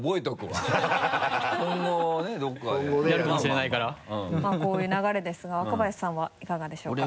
まぁこういう流れですが若林さんはいかがでしょうか？